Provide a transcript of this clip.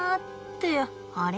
あれ？